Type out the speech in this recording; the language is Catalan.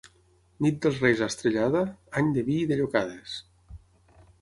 Nit dels Reis estrellada, any de vi i de llocades.